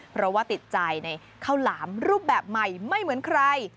เพราะว่าติดใจในข้าวหลามรูปแบบใหม่ไม่เหมือนใคร